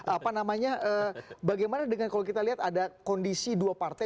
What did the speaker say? apa namanya bagaimana dengan kalau kita lihat ada kondisi dua partai